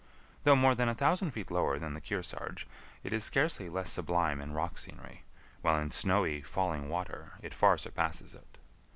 Though more than a thousand feet lower than the Kearsarge, it is scarcely less sublime in rock scenery, while in snowy, falling water it far surpasses it.